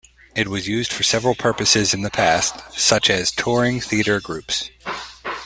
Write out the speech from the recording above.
It was used for several purposes in the past, such as touring theater groups.